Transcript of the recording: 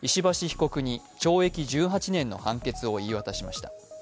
被告に懲役１８年の判決を言い渡しました。